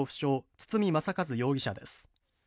堤正和容疑者です。